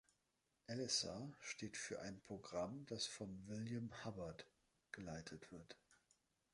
„Elicer“ steht für ein Programm, das von William Hubbard geleitet wird.